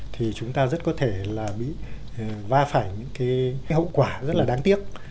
thì chúng ta rất có thể là bị va phải những cái hậu quả rất là đáng tiếc